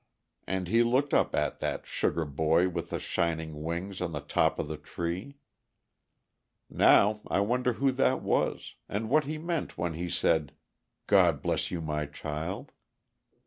And he looked up at that sugar boy with the shining wings on the top of the tree. Now I wonder who that was, and what he meant when he said, 'God bless you, my child'?